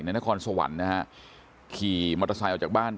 นครสวรรค์นะฮะขี่มอเตอร์ไซค์ออกจากบ้าน